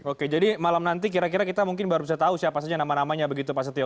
oke jadi malam nanti kira kira kita mungkin baru bisa tahu siapa saja nama namanya begitu pak setio